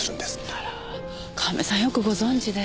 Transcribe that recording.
あら神戸さんよくご存じで。